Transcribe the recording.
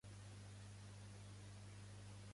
El clafoutis és un pastís típic d'Occitània